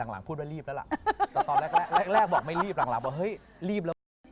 หลังพูดว่ารีบแล้วล่ะแต่ตอนแรกแรกบอกไม่รีบหลังบอกเฮ้ยรีบแล้วว่ะ